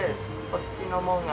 こっちの門が。